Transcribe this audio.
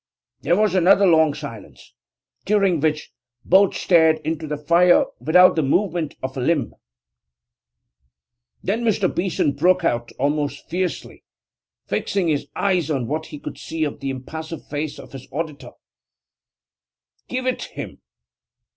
There was another long silence, during which both stared into the fire without the movement of a limb. Then Mr. Beeson broke out, almost fiercely, fixing his eyes on what he could see of the impassive face of his auditor: 'Give it him?